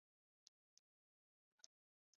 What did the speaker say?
尼泊尔中华寺建有其舍利塔。